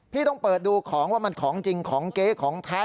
พี่ต้องเปิดดูของว่ามันของจริงของเก๊ของแท้